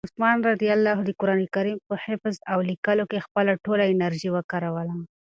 عثمان رض د قرآن کریم په حفظ او لیکلو کې خپله ټوله انرژي وکاروله.